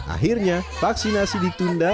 akhirnya vaksinasi ditunda